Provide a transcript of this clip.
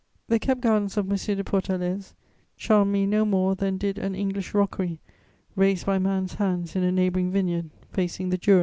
The kept gardens of M. de Pourtalès charmed me no more than did an English rockery raised by man's hands in a neighbouring vineyard facing the Jura.